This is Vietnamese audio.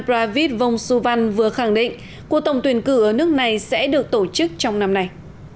pravid vongsuvan vừa khẳng định cuộc tổng tuyển cử ở nước này sẽ được tổ chức trong năm nay